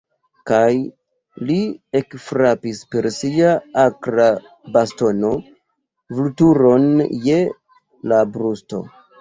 Kaj li ekfrapis per sia akra bastono Vulturon je la brusto.